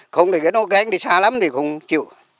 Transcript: không thì nó gánh đi xa lắm thì không chịu